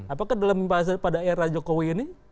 apakah dalam pada era jokowi ini